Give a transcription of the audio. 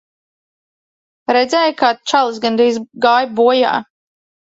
Redzēji, kā čalis gandrīz gāja bojā.